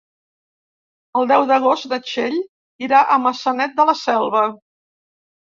El deu d'agost na Txell irà a Maçanet de la Selva.